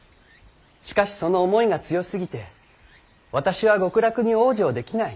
しかしその思いが強すぎて私は極楽に往生できない。